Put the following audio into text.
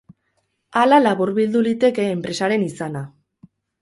Hala laburbildu liteke enpresaren izana.